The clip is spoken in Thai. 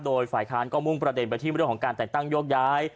โดยฝ่ายค้านก็มุ่งประเด็นไปที่เรื่องของการแต่งตั้งโยกย้าย